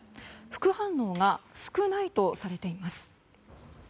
副反応が少ないとされています。